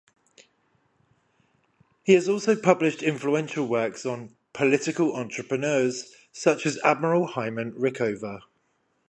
He has also published influential works on 'political entrepreneurs' such as Admiral Hyman Rickover.